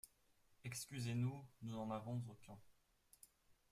Excusez-nous, nous n’en avons aucun.